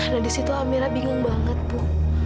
nah di situ amira bingung banget bu